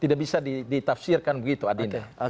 tidak bisa ditafsirkan begitu adinda